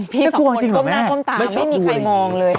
พี่สองคนพมหน้าพมตาไม่มีใครมองเลย